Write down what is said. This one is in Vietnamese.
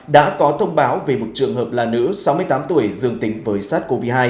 đã có thông báo về một trường hợp là nữ sáu mươi tám tuổi dương tính với sars cov hai